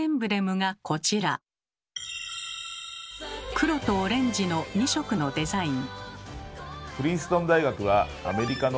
黒とオレンジの２色のデザイン。